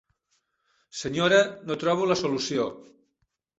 Senyora, no trobo la solució.